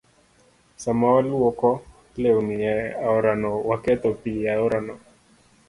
Sama walwoko lewni e aorano, waketho pi aorano.